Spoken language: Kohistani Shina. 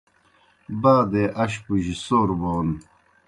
بادے اشپوجیْ سور بون